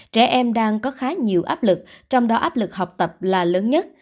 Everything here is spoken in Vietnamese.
trẻ em đang có khá nhiều áp lực trong đó áp lực học tập là lớn nhất